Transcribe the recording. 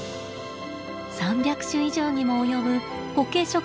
３００種以上にも及ぶコケ植物。